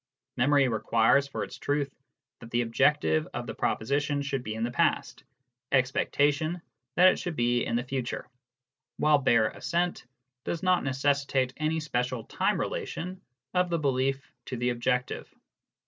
Memory requires for its truth that the objective of the proposition should be in the past, expectation that it should be in the future, while bare assent does not necessitate any special time relation of the belief to the objective.